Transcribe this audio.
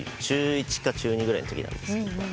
中１か中２ぐらいのときなんですが。